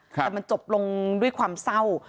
แต่มันจบลงด้วยความเศร้า